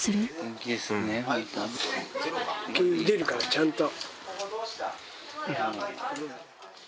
受け入れるからちゃんと。